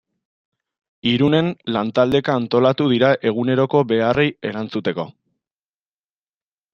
Irunen lantaldeka antolatu dira eguneroko beharrei erantzuteko.